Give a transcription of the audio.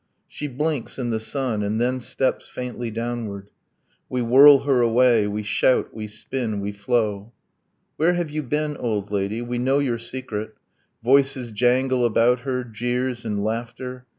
She blinks in the sun, and then steps faintly downward. We whirl her away, we shout, we spin, we flow. Where have you been, old lady? We know your secret! Voices jangle about her, jeers, and laughter. ...